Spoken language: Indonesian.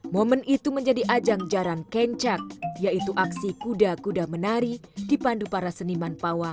momen itu menjadi ajang jaran kencak yaitu aksi kuda kuda menari dipandu para seniman pawang